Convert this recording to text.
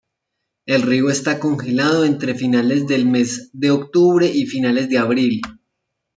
El río está congelado entre finales del mes de octubre y finales de abril.